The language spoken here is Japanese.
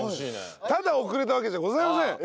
ただ遅れたわけじゃございません。